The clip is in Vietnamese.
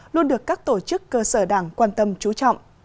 luôn được các tổ chức cơ sở đảng quan tâm trú trọng